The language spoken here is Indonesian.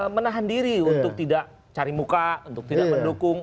menahan diri untuk tidak cari muka untuk tidak mendukung